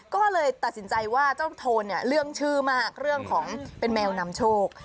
ก็เลยตัดสินใจว่าเจ้าโทนเนี่ยเรื่องชื่อมากเรื่องของเป็นแมวนำโชค